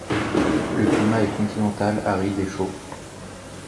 Le climat est continental, aride et chaud.